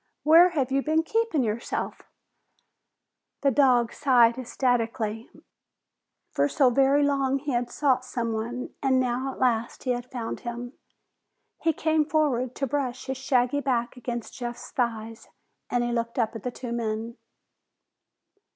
Where have you been keeping yourself?" The dog sighed ecstatically. For so very long he had sought someone and now at last he had found him. He came forward to brush his shaggy back against Jeff's thighs, and he looked up at the two men.